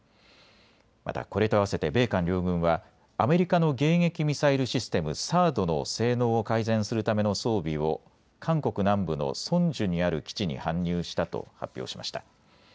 またこれとあわせて米韓両軍はアメリカの迎撃ミサイルシステム、ＴＨＡＡＤの性能を改善するための装備を韓国南部のソンジュにある基地に搬入したと発表しました。